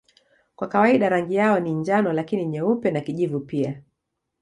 Kwa kawaida rangi yao ni njano lakini nyeupe na kijivu pia.